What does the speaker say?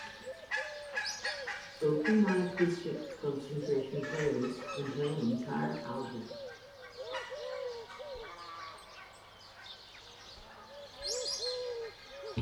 Open my acoustic concentration playlist and play an entire album